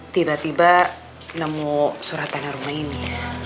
tiba tiba nemu surat tanah rumah ini